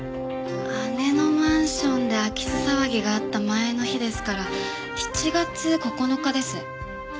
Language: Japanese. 姉のマンションで空き巣騒ぎがあった前の日ですから７月９日です。